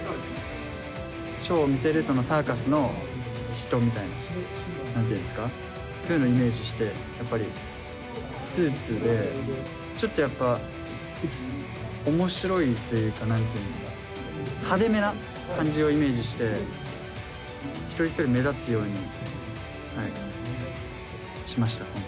ショーを見せるサーカスの人みたいな何て言うんですかそういうのをイメージしてやっぱりスーツでちょっとやっぱ面白いというか何て言うんだ派手めな感じをイメージして一人一人目立つようにしました今回。